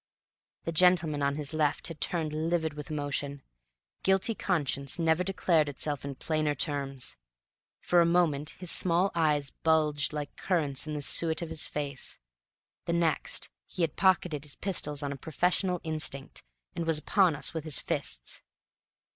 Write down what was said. The gentleman on his left had turned livid with emotion. Guilty conscience never declared itself in plainer terms. For a moment his small eyes bulged like currants in the suet of his face; the next, he had pocketed his pistols on a professional instinct, and was upon us with his fists.